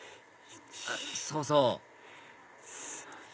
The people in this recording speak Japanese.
そうそう！